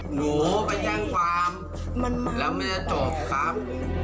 หนูไปย่างความแล้วมันจะจบครับ